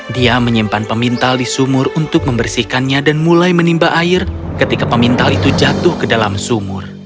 dia menyimpan pemintal di sumur untuk membersihkannya dan mulai menimba air ketika pemintal itu jatuh ke dalam sumur